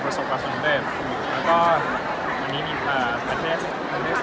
ประสบความสุนเต็มแล้วก็วันนี้มีประเทศประเทศ